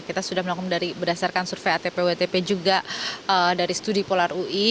kita sudah melakukan dari berdasarkan survei atp wtp juga dari studi polar ui